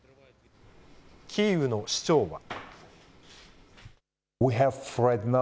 キーウの市長は。